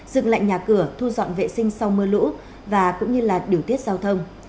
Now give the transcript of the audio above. dựng lại nhà cửa thu dọn vệ sinh sau mưa lũ và cũng như là điều tiết giao thông